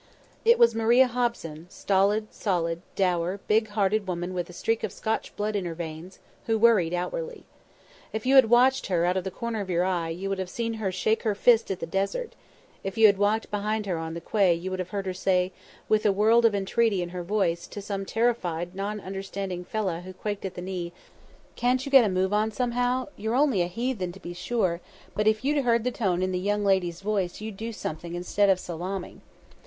It was Maria Hobson, stolid, solid, dour, big hearted woman with a streak of Scotch blood in her veins, who worried outwardly. If you had watched her out of the corner of your eye you would have seen her shake her fist at the desert; if you had walked behind her on the quay you would have heard her say, with a world of entreaty in her voice, to some terrified, non understanding fellah who quaked at the knee: "Can't you get a move on, somehow? You're only a heathen, to be sure, but if you'd heard the tone in the young lady's voice you'd do something instead of sal aaming."